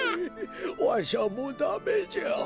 わしはもうダメじゃ。